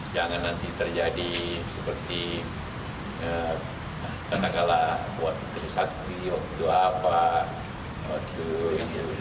jangan nanti terjadi seperti katakanlah waktu trisakti waktu apa waktu itu